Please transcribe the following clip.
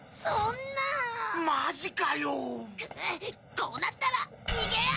こうなったら逃げよう！